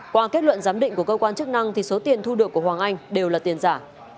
qua kết luận giám định của cơ quan chức năng thì số tiền thu được của hoàng anh đều là tiền giả